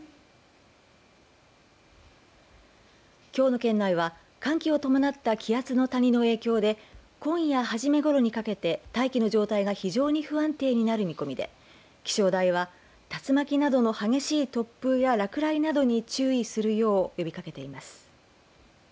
きょうの県内は寒気を伴った気圧の谷の影響で今夜はじめごろにかけて大気の状態が非常に不安定になる見込みで、気象台は竜巻などの激しい突風や落雷などに注意するよう呼びかけています。